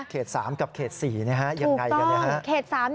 เขต๓กับเขต๔ยังไงกันนะครับถูกต้อง